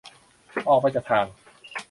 ออกไปจากทาง